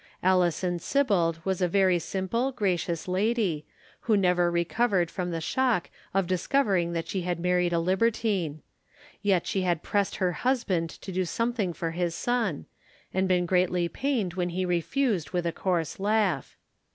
Alison Sibbald was a very simple, gracious lady, who never recovered from the shock of discovering that she had married a libertine; yet she had pressed her husband to do something for his son, and been greatly pained when he refused with a coarse laugh.